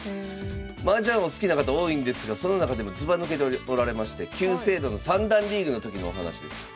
マージャンお好きな方多いんですがその中でもずば抜けておられまして旧制度の三段リーグの時のお話です。